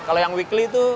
kalau yang weekly itu